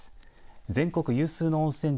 全国有数の温泉地